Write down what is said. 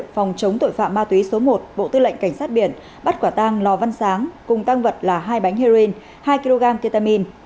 phòng chống tội phạm ma túy số một bộ tư lệnh cảnh sát biển bắt quả tang lò văn sáng cùng tăng vật là hai bánh heroin hai kg ketamin